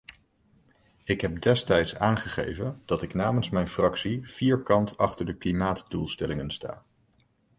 Ik heb destijds aangegeven dat ik namens mijn fractie vierkant achter de klimaatdoelstellingen sta.